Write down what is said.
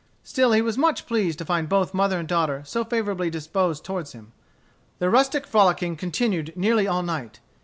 Still he was much pleased to find both mother and daughter so favorably disposed toward him. The rustic frolicking continued nearly all night.